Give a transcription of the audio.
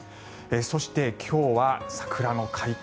そして、今日は桜の開花